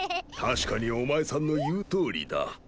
確かにお前さんの言うとおりだ。